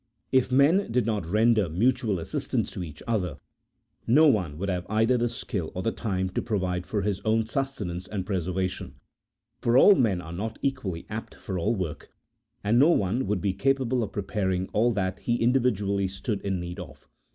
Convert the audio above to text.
If men did not render mutual assistance to each other, no one would have either the skill or the time to provide for his own sustenance and preservation: for all men are not equally apt for all work, and no one would be capable of preparing all that he individually stood in need of.